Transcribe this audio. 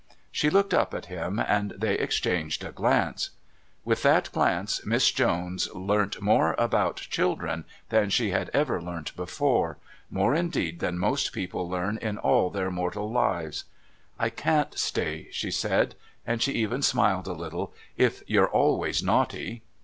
She looked up at him, and they exchanged a glance. With that glance Miss Jones learnt more about children than she had ever learnt before more, indeed, than most people learn in all their mortal lives. "I can't stay," she said, and she even smiled a little, "if you're always naughty."